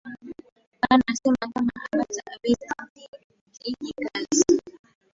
Bana sema kama abata weza iyi kazi